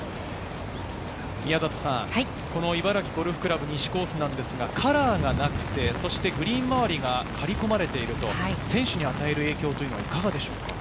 宮里さん、茨城ゴルフ倶楽部西コースですが、カラーがなくて、グリーン周りが刈り込まれていると、選手に与える影響はいかがでしょう？